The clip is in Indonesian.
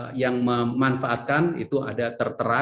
yang memanfaatkan itu ada tertera